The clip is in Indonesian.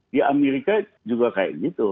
di amerika juga kayak gitu